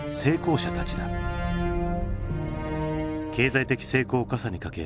経済的成功をかさにかけ